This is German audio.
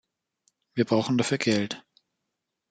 Wir brauchen dafür Geld.